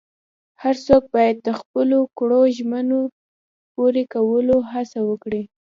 هر څوک باید د خپلو کړو ژمنو پوره کولو هڅه وکړي.